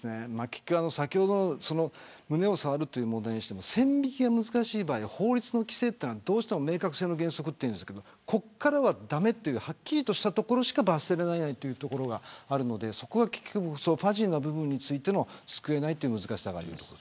先ほど胸を触るという問題にしても線引きが難しい場合法律の規制はどうしても明確性の原則というんですがここからは駄目というはっきりした部分しか罰せないというところがあるのでファジーな部分について救えない難しさがあります。